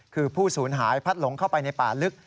คือผู้สูญหายพัดหลงเข้าไปในป่าลึก